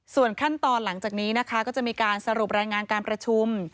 ส่วนขั้นตอนหลังจากนี้นะคะก็จะมีการสรุปรายงานการประชุม